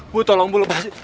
bu tolong bu lepas